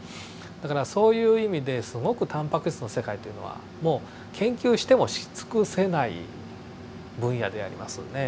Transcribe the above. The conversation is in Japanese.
だからそういう意味ですごくタンパク質の世界というのはもう研究してもし尽くせない分野でありますよね。